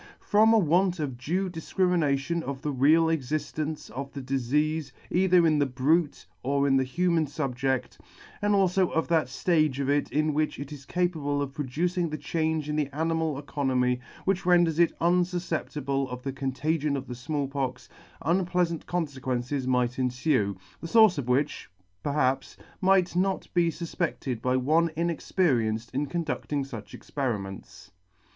From a want of due difcrimination of the real existence of the difeafe either in the brute or in the human fubjedt, and alfo of that ftage of it in which it is capable of pro ducing the change in the animal economy, which renders it un fufceptible of the contagion of the Small Pox, unpleafant con ferences, might enfue, the fource of which, perhaps, might not be fufpedted by one inexperienced in conducting fuch experiments.